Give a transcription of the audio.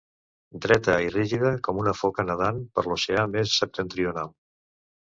Dreta i rígida com una foca nedant per l'oceà més septentrional.